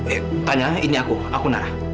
eh tanya ini aku aku nah